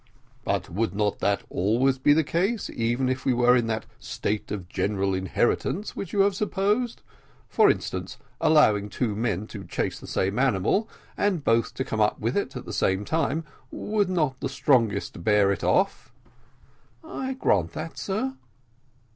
"But would not that be always the case even if we were in that state of general inheritance which you have supposed. For instance, allowing two men to chase the same animal, and both to come up to it at the same time, would not the strongest bear it off?" "I grant that, sir."